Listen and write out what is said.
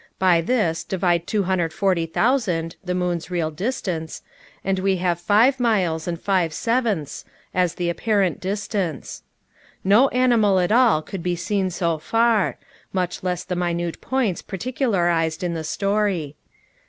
By this divide 240,000 (the moon's real distance), and we have five miles and five sevenths, as the apparent distance. No animal at all could be seen so far; much less the minute points particularized in the story.